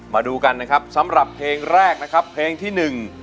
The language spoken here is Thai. มาดูกันนะครับสำหรับเพลงแรกนะครับเพลงที่หนึ่ง